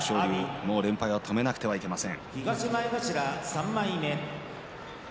もう連敗は止めなければいけません。